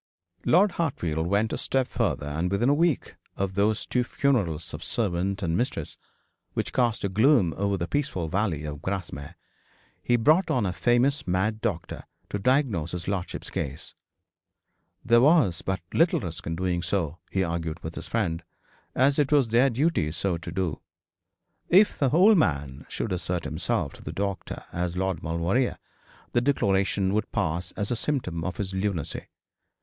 Lord Hartfield went a step farther; and within a week of those two funerals of servant and mistress, which cast a gloom over the peaceful valley of Grasmere, he brought down a famous mad doctor to diagnose his lordship's case. There was but little risk in so doing, he argued with his friend, and it was their duty so to do. If the old man should assert himself to the doctor as Lord Maulevrier, the declaration would pass as a symptom of his lunacy.